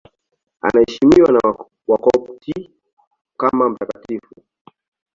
Anaheshimiwa na Wakopti kama mtakatifu.